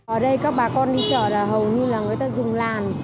ở đây các bà con đi chợ là hầu như là người ta dùng làn